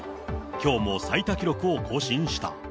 きょうも最多記録を更新した。